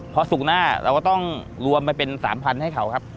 พอศุกร์หน้าเราก็ต้องรวมไปเป็น๓๐๐๐ให้เขาครับ